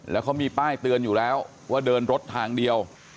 แล้วเขามีป้ายเตือนอยู่แล้วว่าเดินรถทางเดียว